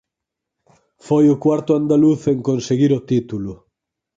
Foi o cuarto andaluz en conseguir o título.